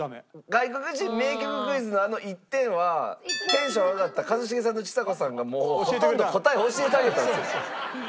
外国人名曲クイズのあの１点はテンション上がった一茂さんとちさ子さんがもうほとんど答えを教えてあげたんですよ。